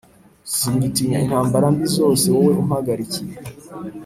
Singitinya intambara mbi zose wowe umpagarikiye